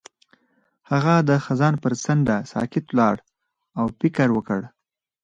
هغه د خزان پر څنډه ساکت ولاړ او فکر وکړ.